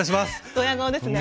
ドヤ顔ですね。